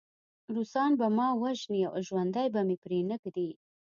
روسان به ما وژني او ژوندی به مې پرېنږدي